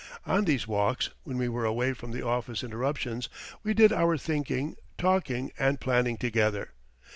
On these walks, when we were away from the office interruptions, we did our thinking, talking, and planning together.